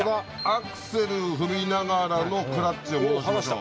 アクセル踏みながらのクラッチを戻しましょう。